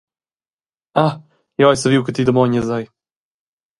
Ah, jeu hai saviu che ti damognies ei.